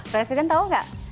presiden tau gak